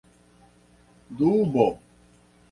dubo